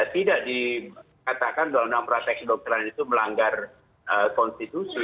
tidak dikatakan dalam praseks doktoran itu melanggar konstitusi